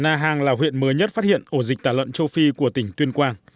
na hàng là huyện mới nhất phát hiện ổ dịch tả lợn châu phi của tỉnh tuyên quang